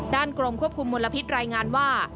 กรมควบคุมมลพิษรายงานว่า